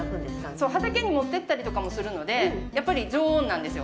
そう、畑に持ってったりとかもするのでやっぱり常温なんですよ。